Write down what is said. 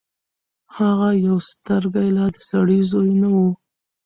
هغه يو سترګې لا د سړي زوی نه وو.